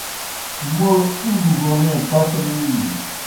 موْڑ اُگوْ گوْنے پتہ نہ اِینیْ۔